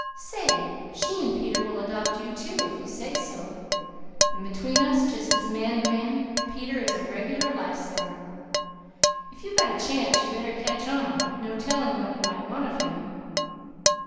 Say, she and Peter will adopt you too, if you say so, and between us, just as man to man, Peter is a regular lifesaver! If you got a chance you better catch on! No telling what you might want of him!"